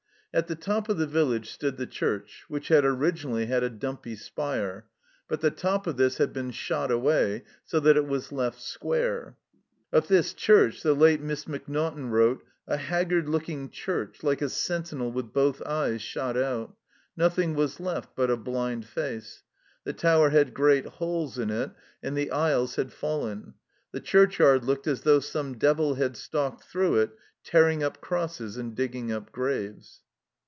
At the top of the village stood the church, which had originally had a dumpy spire ; but the top of this had been shot away, so that it was left square. Of this church the late Miss Macnaughtan wrote : "A haggard looking church, like a sentinel with both eyes shot out. Nothing was left but a blind face. The tower had great holes in it, and the aisles had fallen. The churchyard looked as though some devil had stalked through it tearing up crosses and digging up graves."